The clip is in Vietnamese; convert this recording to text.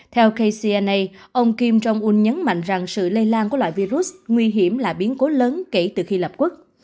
theo kcna ông kim jong un nhấn mạnh rằng sự lây lan của loại virus nguy hiểm là biến cố lớn kể từ khi lập quốc